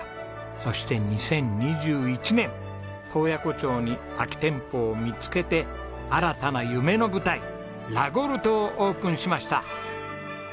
そして２０２１年洞爺湖町に空き店舗を見つけて新たな夢の舞台ラゴルトをオープンしました。